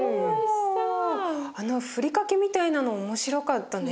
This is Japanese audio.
あのふりかけみたいなの面白かったね。